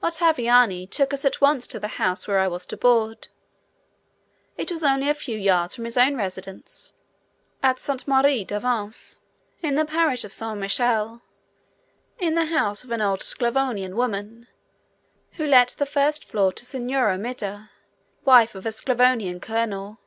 Ottaviani took us at once to the house where I was to board. It was only a few yards from his own residence, at Sainte Marie d'Advance, in the parish of Saint Michel, in the house of an old Sclavonian woman, who let the first floor to Signora Mida, wife of a Sclavonian colonel.